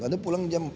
ada pulang jam empat